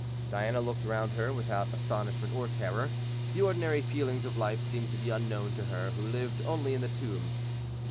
Diana looked round her without astonishment or terror; the ordinary feelings of life seemed to be unknown to her who lived only in the tomb.